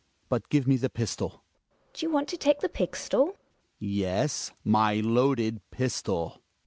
But give me the pistol. Gina. Do you want to take the pigstol? Hjalmar. Yes. Mv loaded pistol.